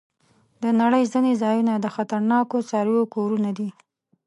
د نړۍ ځینې ځایونه د خطرناکو څارويو کورونه دي.